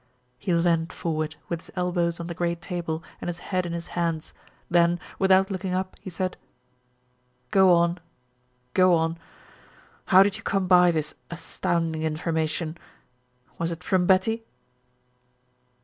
He leaned forward, with his elbows on the great table and his head in his hands; then, without looking up, he said: "Go on. Go on. How did you come by this astounding information? Was it from Betty?"